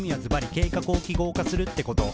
「『計画を記号化する』ってこと」